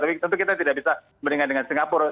tapi tentu kita tidak bisa mendingan dengan singapura